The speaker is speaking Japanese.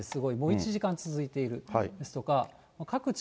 １時間続いているですとか、各地で。